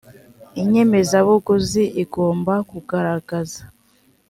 inyemezabuguzi igomba kugaragaza